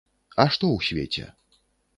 А што ў свеце?